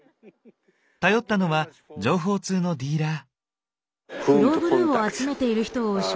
頼ったのは情報通のディーラー。